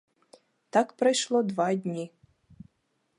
Так прайшло два дні.